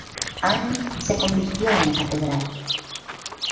Ann se convirtió en la catedral.